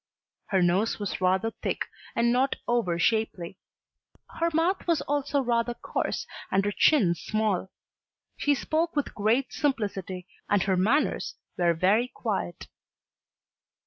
Her nose was rather thick and not over shapely. Her mouth was also rather coarse and her chin small. She spoke with great simplicity, and her manners were very quiet.